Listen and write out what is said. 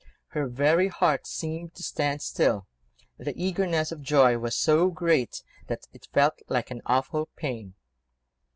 Her very heart seemed to stand still, the eagerness of joy was so great that it felt like an awful pain.